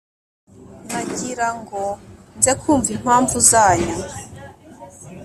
nagira ngo nze kumva impamvu zanyu .